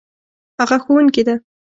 هغه ښوونکې ده